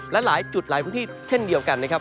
และหลายจุดหลายพื้นที่เช่นเดียวกันนะครับ